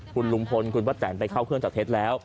คุณลุงพลคุณป้าแตนไปเข้าเครื่องจับเท็จแล้ว